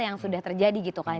yang sudah terjadi gitu kan